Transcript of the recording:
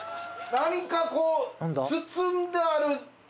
何かこう包んである。